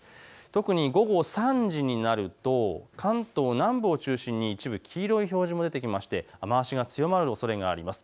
特に午後３時になると関東南部を中心に一部、黄色い表示も出てきまして雨足が強まるおそれがあります。